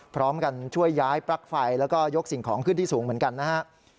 พร้อมกันช่วยย้ายปลั๊กไฟแล้วก็ยกสิ่งของขึ้นที่สูงเหมือนกันนะฮะ